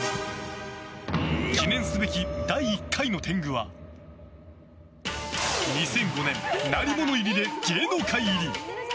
記念すべき第１回の天狗は２００５年鳴り物入りで芸能界入り。